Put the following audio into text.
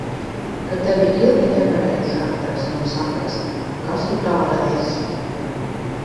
Ka tevi ilgi nevarējuši atrast un saprast, kas tu tāda esi.